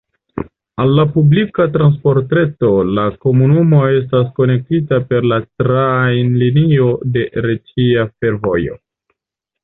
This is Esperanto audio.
Al la publika transportreto la komunumo estas konektita per la trajnlinio de Retia Fervojo.